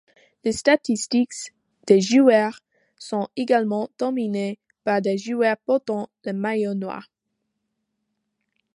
Les statistiques des joueurs sont également dominées par des joueurs portant le maillot noir.